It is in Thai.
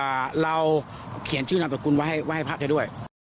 อ่าเราเขียนชื่อนามสกุลไว้ให้พระให้ด้วย